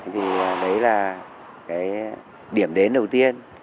thì đấy là cái điểm đến đầu tiên